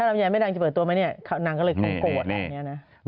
ถ้าทำใหญ่ไม่ดังจะเปิดตัวมาเนี่ยเขานางก็เลยคงโกรธ